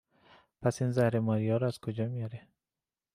پس این زهر ماریا رو از کجا میاره؟